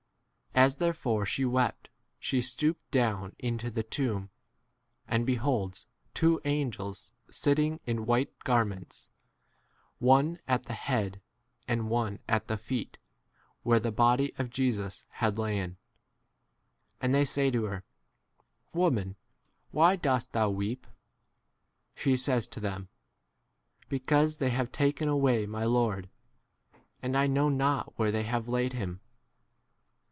As there fore she wept, she stooped down 12 into the tomb, and beholds two angels sitting in white [garments], one at the head and one at the feet, where the body of Jesus had !3 1ain. And they k say to her, Woman, why dost thou weep? She says to them, Because they have taken away my Lord, and I know not where they have laid 14 him.